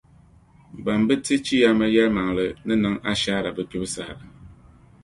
Ban bi ti chiyaama yɛlimaŋli ni niŋ ashaara bɛ kpibu saha.